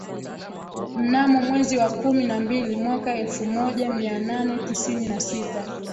Mnamo mwezi wa kumi na mbili mwaka elfu moja mia nane tisini na sita